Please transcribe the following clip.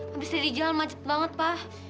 habis diri jalan macet banget pa